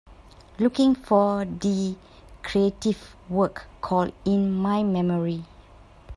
Looking for the crative work called In my memory